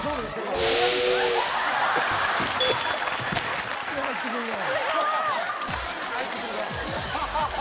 「すごい！」